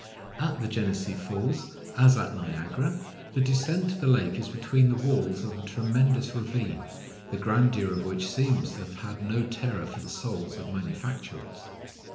At the Genessee Falls, as at Niagara, the descent to the lake is between the walls of a tremendous ravine, the grandeur of which seems to have had no terror for the souls of manufacturers.